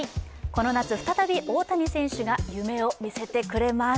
この夏、再び大谷選手が、夢を見せてくれます。